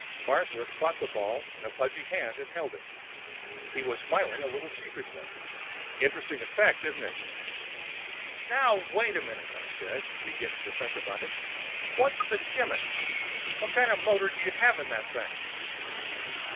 Farnsworth caught the ball in a pudgy hand and held it. He was smiling a little sheepishly. "Interesting effect, isn't it?" "Now wait a minute," I said, beginning to think about it. "What's the gimmick? What kind of motor do you have in that thing?"